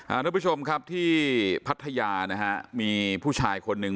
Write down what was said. ทุกผู้ชมครับที่พัทยานะฮะมีผู้ชายคนหนึ่ง